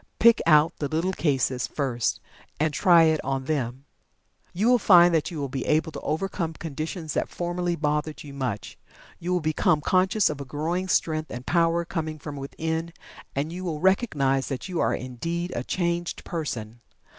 Pick out the little cases first and "try it on them." You will find that you will be able to overcome conditions that formerly bothered you much. You will become conscious of a growing strength and power coming from within, and you will recognize that you are indeed a changed person.